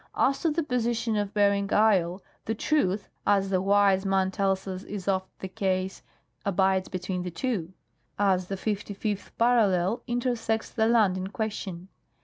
"As to the position of Bering isle, the truth, as the Wise Man tells us is oft thej3ase, abides between the two, as the 55th parallel intersects the land in question.